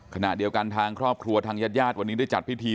ขณะเดียวกันทางครอบครัวทางญาติญาติวันนี้ได้จัดพิธี